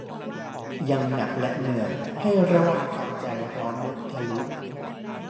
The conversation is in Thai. ยังหนักและเหนื่อย ให้ระวังความใจร้อนมุทะลุ